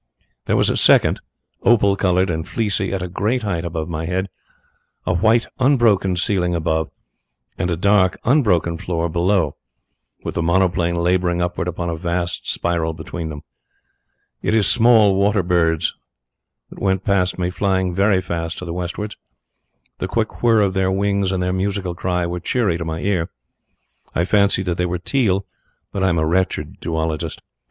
There was a second opal coloured and fleecy at a great height above my head, a white, unbroken ceiling above, and a dark, unbroken floor below, with the monoplane labouring upwards upon a vast spiral between them. It is deadly lonely in these cloud spaces. Once a great flight of some small water birds went past me, flying very fast to the westwards. The quick whir of their wings and their musical cry were cheery to my ear. I fancy that they were teal, but I am a wretched zoologist.